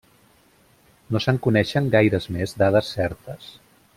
No se'n coneixen gaires més dades certes.